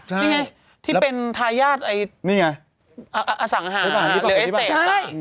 นี่ไงที่เป็นทายาทสั่งอาหารหรือเอสเตกต่าง